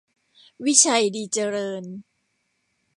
วิชัย ดีเจริญ